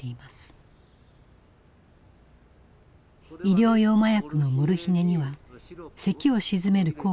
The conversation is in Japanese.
医療用麻薬のモルヒネにはせきを鎮める効果もあります。